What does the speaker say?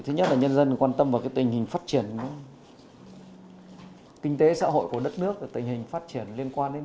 thứ nhất là nhân dân quan tâm vào tình hình phát triển kinh tế xã hội của đất nước tình hình phát triển liên quan đến